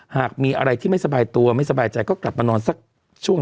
หากมีอะไรที่ไม่สบายตัวไม่สบายใจก็กลับมานอนสักช่วง